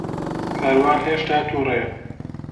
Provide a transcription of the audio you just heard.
کاروان ھێشتا تووڕەیە.